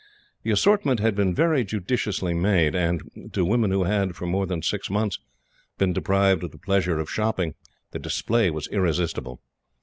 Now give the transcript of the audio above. The assortment had been very judiciously made, and to women who had, for more than six months, been deprived of the pleasure of shopping, the display was irresistible.